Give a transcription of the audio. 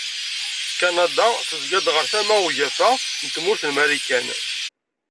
Kanada tezga-d ɣer tama ugafa n tmurt n Marikan.